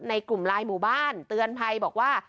ในกลุ่มไลน์หมู่บ้านเตือนภัยบอกว่า